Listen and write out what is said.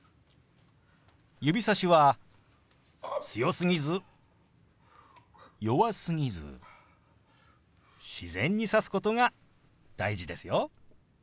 指さしは強すぎず弱すぎず自然に指すことが大事ですよ。